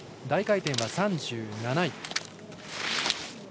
大回転は３７位。